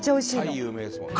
鯛有名ですもんね。